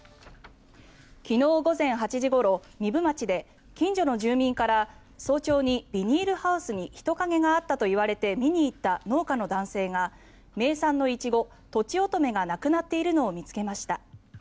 昨日午前８時ごろ、壬生町で近所の住民から早朝にビニールハウスに人影があったと言われて見に行った農家の男性が名産のイチゴ、とちおとめがなくなっているのを見つけました。